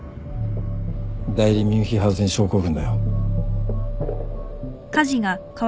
代理ミュンヒハウゼン症候群だよ。